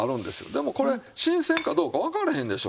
でもこれ新鮮かどうかわからへんでしょう